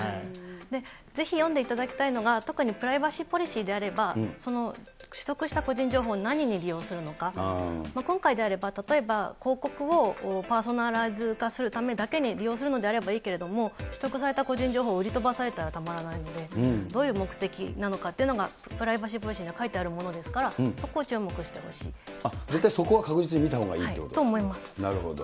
ぜひ読んでいただきたいのが、特にプライバシーポリシーであれば、取得した個人情報を何に利用するのか、今回であれば、例えば広告をパーソナライズ化するために利用するのであればいいけれども、取得された個人情報を売り飛ばされたらたまらないので、どういう目的なのかっていうのが、プライバシーポリシーには書いてあるも絶対、そこは確実に見たほうがいい。